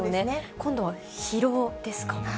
今度は疲労ですか。